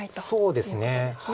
そうですね。